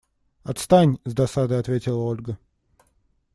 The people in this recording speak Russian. Отстань! – с досадой ответила Ольга.